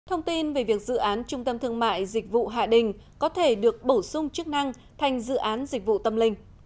thông tin về việc dự án trung tâm thương mại dịch vụ hạ đình có thể được bổ sung chức năng thành dự án dịch vụ tâm linh